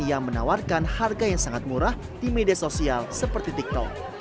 yang menawarkan harga yang sangat murah di media sosial seperti tiktok